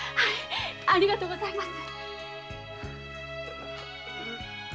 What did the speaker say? ありがとうございます！